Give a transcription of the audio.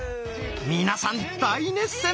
皆さん大熱戦！